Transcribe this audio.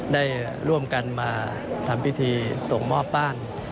ได้ร่วมกันมาทำพิธีส่งมอบบ้าน